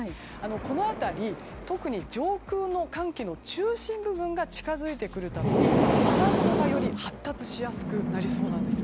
この辺り特に上空の寒気の中心部分が近づいてくるために、雨雲がより発達しやすくなりそうです。